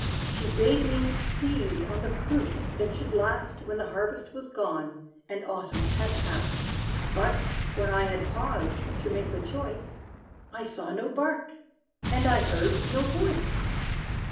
She bade me seize on the fruit that should last When the harvest was gone, and Autumn had past. But, when I had paused to make the choice, I saw no bark! and I heard no voice!